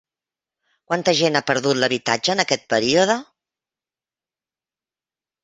Quanta gent ha perdut l'habitatge en aquest període?